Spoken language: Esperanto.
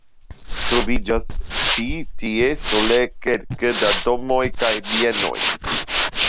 Troviĝas ĉi tie sole kelke da domoj kaj bienoj.